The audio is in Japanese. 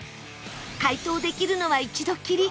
解答できるのは一度きり